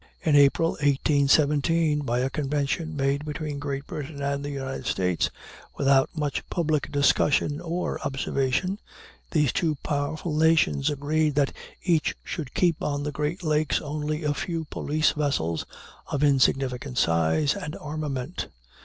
In April, 1817, by a convention made between Great Britain and the United States, without much public discussion or observation, these two powerful nations agreed that each should keep on the Great Lakes only a few police vessels of insignificant size and armament.